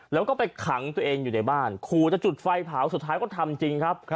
แล้วก็ไปขังตัวเองอยู่ในบ้านขู่จะจุดไฟเผาสุดท้ายก็ทำจริงครับ